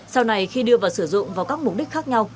sau này khi đưa vào sử dụng vào các mục đích khác nhau